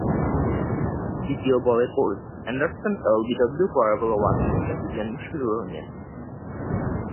দ্বিতীয় বলে Corey Anderson LBW, পরের বলে ওয়াটলিং ক্যাচ দিলেন মুশফিকুর রহিমকে।